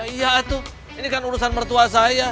iya aduh ini kan urusan mertua saya